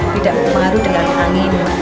tidak berkaru dengan angin